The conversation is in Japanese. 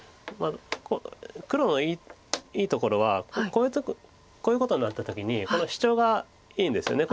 黒のいいところはこういうことになった時にこのシチョウがいいんですよね。